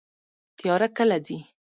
تیاره کله ځي؟